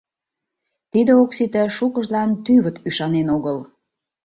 Тиде ок сите - шукыжлан тӱвыт ӱшанен огыл.